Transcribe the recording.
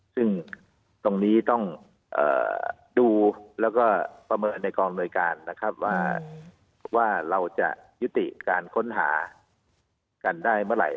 ซึ่งตรงนี้ต้องดูแล้วก็ประเมินในกองอำนวยการนะครับว่าเราจะยุติการค้นหากันได้เมื่อไหร่